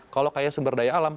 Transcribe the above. kalau kaya sumber daya alam